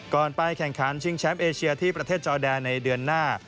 ไปแข่งขันชิงแชมป์เอเชียที่ประเทศจอแดนในเดือนหน้า